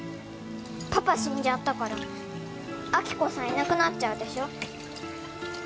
パパ死んじゃったから亜希子さんいなくなっちゃうでしょ？